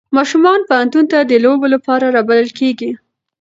ماشومان پوهنتون ته د لوبو لپاره رابلل کېږي.